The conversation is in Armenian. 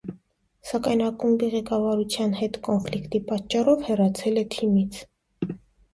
Սակայն ակումբի ղեկավարության հետ կոնֆլիկտի պատճառով հեռացել է թիմից։